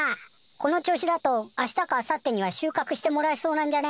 この調子だとあしたかあさってには収かくしてもらえそうなんじゃね？